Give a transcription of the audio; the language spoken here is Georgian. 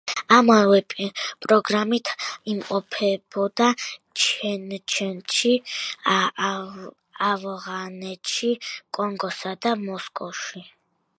ამავე პროგრამით იმყოფებოდა ჩეჩნეთში, ავღანეთში, კონგოსა და მოსკოვში.